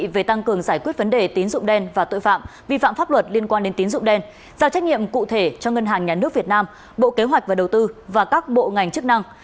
về tăng cường giải quyết vấn đề tín dụng đen và tội phạm vi phạm pháp luật liên quan đến tín dụng đen giao trách nhiệm cụ thể cho ngân hàng nhà nước việt nam bộ kế hoạch và đầu tư và các bộ ngành chức năng